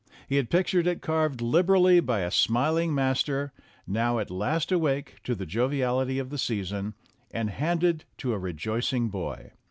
He had pictured it carved liberally by a smiling master (now at last awake to the joviality of the season), and handed to a rejoicing boy.